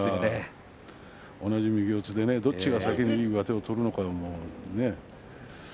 同じ右四つでどちらが先にまわしを取るのか。